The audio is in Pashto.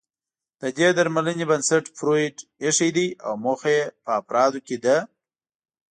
د دې درملنې بنسټ فرویډ اېښی دی او موخه يې په افرادو کې د